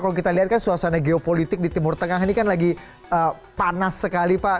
kalau kita lihat kan suasana geopolitik di timur tengah ini kan lagi panas sekali pak